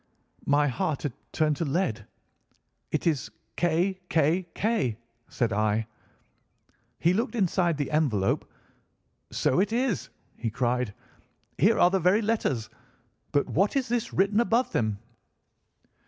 "My heart had turned to lead. 'It is K. K. K.,' said I. "He looked inside the envelope. 'So it is,' he cried. 'Here are the very letters. But what is this written above them?